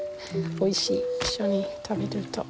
おいしい一緒に食べると。